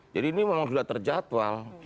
ini memang sudah terjatual